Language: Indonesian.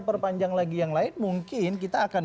perpanjang lagi yang lain mungkin kita akan